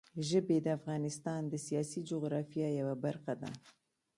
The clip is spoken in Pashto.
ژبې د افغانستان د سیاسي جغرافیه یوه برخه ده.